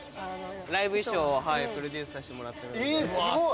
ライブ衣装をプロデュースさせてもらってるので。